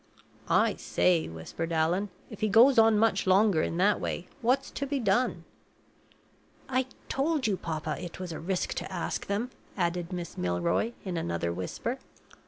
"I say," whispered Allan, "if he goes on much longer in that way, what's to be done?" "I told you, papa, it was a risk to ask them," added Miss Milroy, in another whisper.